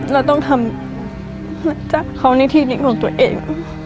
และต้องทำจากเขานิทิติของตัวเอง